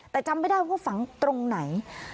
แต่จำไม่ได้ว่าฝังตรงไหน